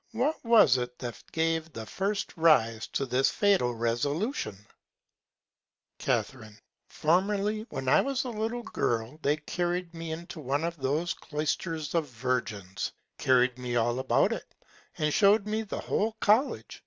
What was it that gave the first Rise to this fatal Resolution? Ca. Formerly, when I was a little Girl, they carried me into one of those Cloysters of Virgins, carry'd me all about it, and shew'd me the whole College.